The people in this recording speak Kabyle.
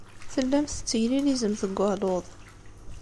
Tellamt tetteglilizemt deg waluḍ.